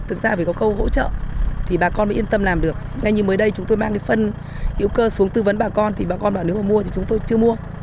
thực ra phải có câu hỗ trợ thì bà con mới yên tâm làm được ngay như mới đây chúng tôi mang cái phân hữu cơ xuống tư vấn bà con thì bà con bảo nếu mà mua thì chúng tôi chưa mua